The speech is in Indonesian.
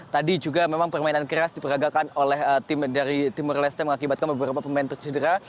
tadi juga memang permainan keras diperagakan oleh tim dari timur leste mengakibatkan beberapa pemain tercedera